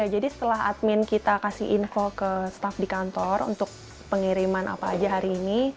jadi setelah admin kita kasih info ke staff di kantor untuk pengiriman apa saja hari ini